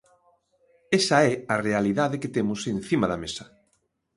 Esa é a realidade que temos encima da mesa.